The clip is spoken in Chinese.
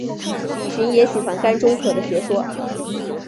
李寻也喜欢甘忠可的学说。